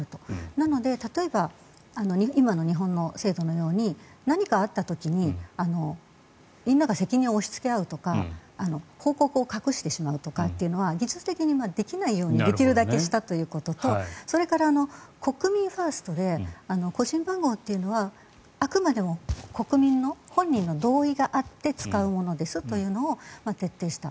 なので例えば、今の日本の制度のように何かあった時にみんなが責任を押しつけ合うとか報告を隠してしまうというのは技術的にできないようになるべくしたということとそれから、国民ファーストで個人番号というのはあくまでも国民の本人の同意があって使うものですというのを徹底した。